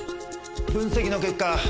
分析の結果